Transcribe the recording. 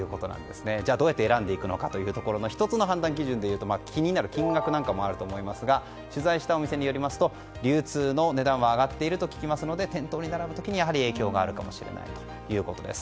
じゃあどうやって選んでいくのかという１つの判断基準では気になる金額なんかもあると思いますが取材したお店によりますと流通の値段は上がっていると聞きますので店頭に並ぶ時に影響があるかもしれないということです。